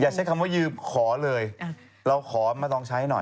ใช้คำว่ายืมขอเลยเราขอมาลองใช้หน่อย